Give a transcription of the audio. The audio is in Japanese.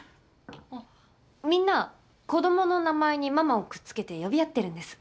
あっみんな子供の名前にママをくっつけて呼び合ってるんです。